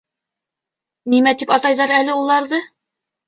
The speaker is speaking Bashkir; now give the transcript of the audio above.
Нимә тип атайҙар әле уларҙы?